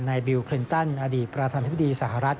นายบิลเคลนตันอดีตประธานธุรกิจสหรัฐ